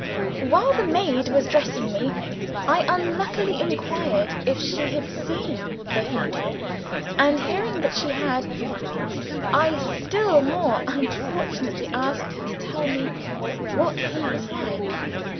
While the maid was dressing me, I unluckily inquired if she had seen the Hindoo and, hearing that she had, I still more unfortunately asked her to tell me what he was like.